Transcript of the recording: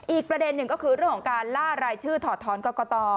อีกประเด็นหนึ่งก็คือเรื่องของการล่ารายชื่อถอดถอนกรกต